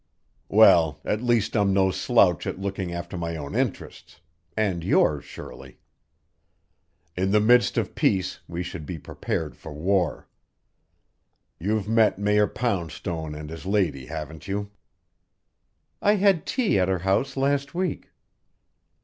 "Well, at least I'm no slouch at looking after my own interests and yours, Shirley. In the midst of peace we should be prepared for war. You've met Mayor Poundstone and his lady, haven't you?" "I had tea at her house last week."